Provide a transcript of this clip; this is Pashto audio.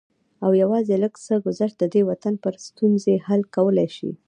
او يوازې لږ څه ګذشت د دې وطن ډېرې ستونزې حل کولی شي